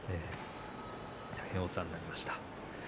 大変お世話になりました。